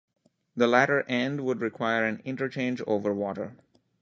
The latter end would require an interchange over water.